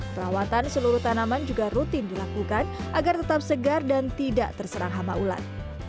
perawatan seluruh tanaman juga rutin dilakukan agar tetap segar dan tidak terserang hama ulat